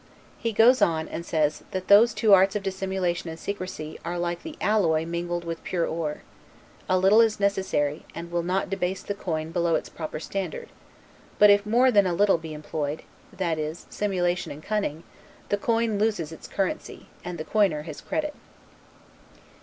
He goes on, and says, that those two arts of dissimulation and secrecy are like the alloy mingled with pure ore: a little is necessary, and will not debase the coin below its proper standard; but if more than that little be employed (that is, simulation and cunning), the coin loses its currency, and the coiner his credit.